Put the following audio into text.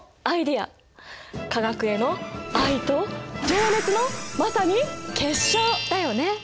化学への愛と情熱のまさに結晶だよね！